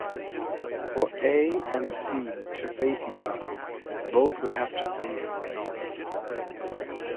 For A and C to face each other, both would have to face North.